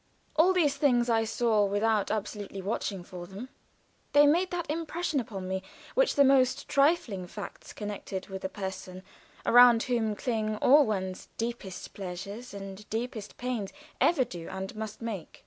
All these things I saw without absolutely watching for them; they made that impression upon me which the most trifling facts connected with a person around whom cling all one's deepest pleasures and deepest pains ever do and must make.